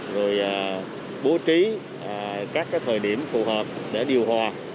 rồi bố trí các thời điểm phù hợp để điều hòa